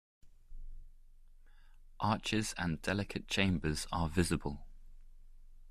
Arches and delicate chambers are visible.